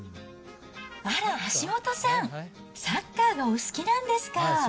あら、橋本さん、サッカーがお好きなんですか。